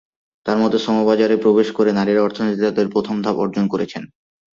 তাঁর মতে, শ্রমবাজারে প্রবেশ করে নারীরা অর্থনীতিতে তাঁদের প্রথম ধাপ অর্জন করেছেন।